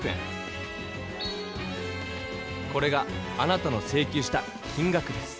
これがあなたのせいきゅうした金額です！